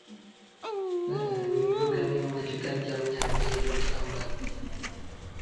Pada hari Minggu, kami memajukan jamnya menjadi lebih lambat.